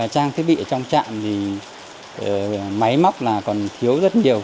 trang thiết bị trong trạm thì máy móc là còn thiếu rất nhiều